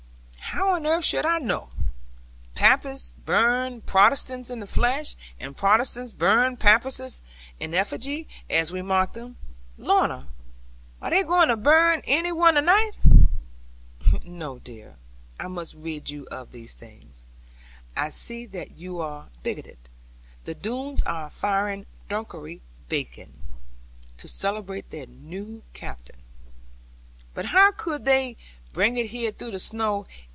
'How on earth should I know? Papists burn Protestants in the flesh; and Protestants burn Papists in effigy, as we mock them. Lorna, are they going to burn any one to night?' 'No, you dear. I must rid you of these things. I see that you are bigoted. The Doones are firing Dunkery beacon, to celebrate their new captain.' 'But how could they bring it here through the snow?